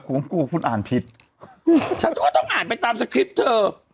ผมกลัวคุณอ่านผิดฉันก็ต้องอ่านไปตามสคริปต์เธอ